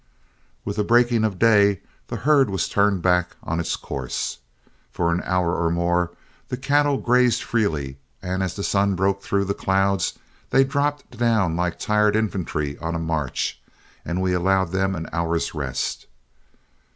With the breaking of day, the herd was turned back on its course. For an hour or more the cattle grazed freely, and as the sun broke through the clouds, they dropped down like tired infantry on a march, and we allowed them an hour's rest.